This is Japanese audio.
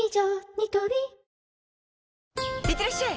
ニトリいってらっしゃい！